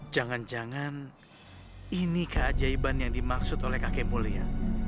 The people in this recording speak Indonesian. jangan jangan ini keajaiban yang dimaksud oleh kakek mulia